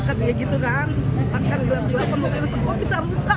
ya gitu kan makan gelap gelapan mobilnya rusak